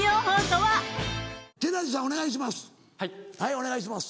お願いします。